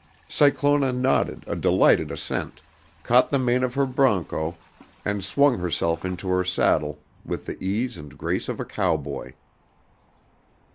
Cyclona nodded a delighted assent, caught the mane of her broncho, and swung herself into her saddle with the ease and grace of a cowboy.